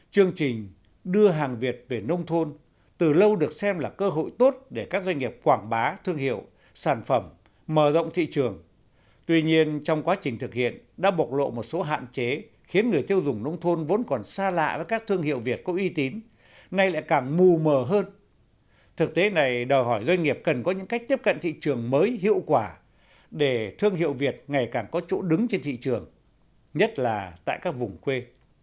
chương trình đưa hàng việt về nông thôn từ lâu được xem là cơ hội tốt để các doanh nghiệp quảng bá thương hiệu sản phẩm mở rộng thị trường tuy nhiên trong quá trình thực hiện đã bộc lộ một số hạn chế khiến người tiêu dùng nông thôn vốn còn xa lạ với các thương hiệu việt có uy tín nay lại càng mù mờ hơn thực tế này đòi hỏi doanh nghiệp cần có những cách tiếp cận thị trường mới hiệu quả để thương hiệu việt ngày càng có chỗ đứng trên thị trường nhất là tại các vùng quê